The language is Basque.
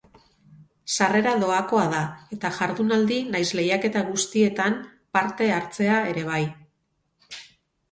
Sarrera doakoa da eta jardunaldi nahiz lehiaketa guztietan parte hartzea ere bai.